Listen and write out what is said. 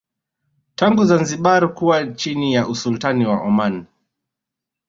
tangu Zanzibar kuwa chini ya Usultani wa Oman